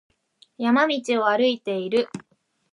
山道を歩いている。